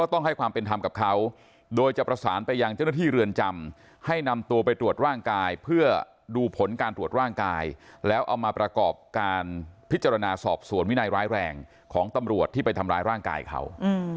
ตอบการพิจารณาสอบส่วนวินัยร้ายแรงของตำรวจที่ไปทำร้ายร่างกายเขา